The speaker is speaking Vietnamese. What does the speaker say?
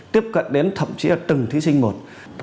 tiếp cận đến thậm chí là từng thí sinh một